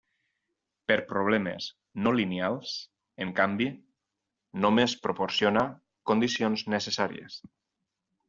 Per problemes no lineals, en canvi, només proporciona condicions necessàries.